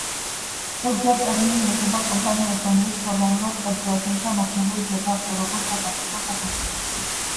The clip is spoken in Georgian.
ზოგჯერ, ტერმინი ეხება კომპანიას, რომელიც ფორმალურად კერძოა, თუმცა მოქმედებს დე-ფაქტო როგორც „სახელმწიფო სახელმწიფოში“.